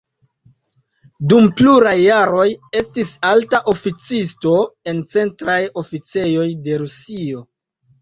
Dm pluraj jaroj estis alta oficisto en centraj oficejoj de Rusio.